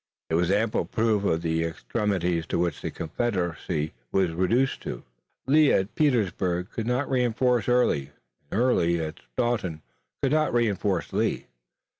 It was ample proof of the extremities to which the Confederacy was reduced. Lee, at Petersburg, could not reinforce Early, and Early, at Staunton, could not reinforce Lee!